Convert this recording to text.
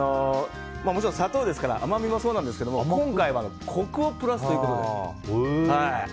もちろん砂糖ですから甘みもそうなんですが今回はコクをプラスということで。